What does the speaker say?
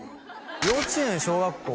幼稚園小学校